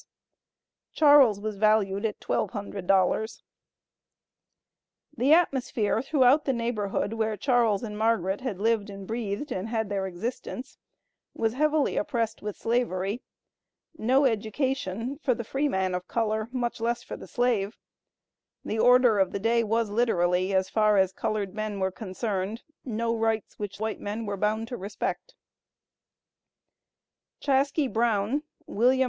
Charles was valued at $1200. The atmosphere throughout the neighborhood where Charles and Margaret had lived and breathed, and had their existence, was heavily oppressed with slavery. No education for the freeman of color, much less for the slave. The order of the day was literally, as far as colored men were concerned: "No rights which white men were bound to respect." Chaskey Brown, Wm.